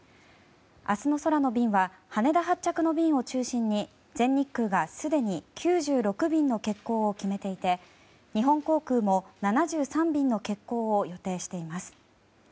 明日の空の便は羽田発着の便を中心に全日空がすでに９６便の欠航を決めていて日本航空も７３便の欠航を予定しています。